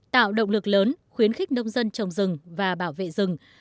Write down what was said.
tạo động lực lớn khuyến khích nông dân trồng rừng và bảo vệ rừng